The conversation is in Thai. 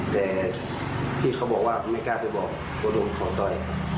แต่พี่เขาบอกว่าไม่กล้าไปบอกว่าโดนเขาต่อย